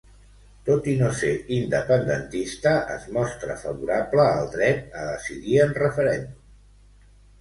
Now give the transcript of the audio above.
Tot i no ser independentista, es mostra favorable al dret a decidir en referèndum.